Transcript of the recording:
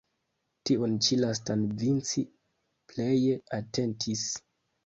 Tiun ĉi lastan Vinci pleje atentis.